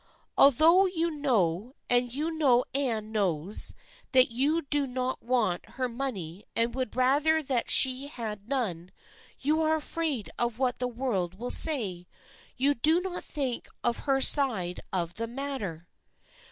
Although you know, and you know Anne knows, that you do not want her money and would rather that she had none, you are afraid of what the world will say. You do not think of her side of the matter.